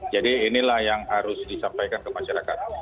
jadi inilah yang harus disampaikan ke masyarakat